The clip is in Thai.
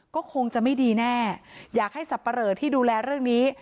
ก็คงจะไม่ดีแน่อยากให้สับปะเหลอที่ดูแลเรื่องนี้